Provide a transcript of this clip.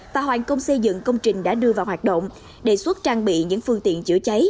và hoàn công xây dựng công trình đã đưa vào hoạt động đề xuất trang bị những phương tiện chữa cháy